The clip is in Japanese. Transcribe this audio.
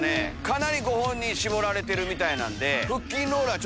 かなりご本人絞られてるみたいなんで。